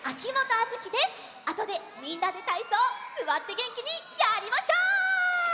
あとでみんなでたいそうすわってげんきにやりましょう！